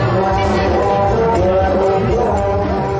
สวัสดีครับสวัสดีครับ